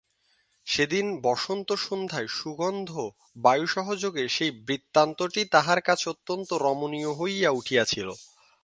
সেদিন বসন্তসন্ধ্যায় সুগন্ধ বায়ুসহযোগে সেই বৃত্তান্তটি তাঁহার কাছে অত্যন্ত রমণীয় হইয়া উঠিয়াছিল।